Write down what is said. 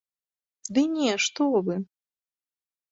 Ды не, што вы!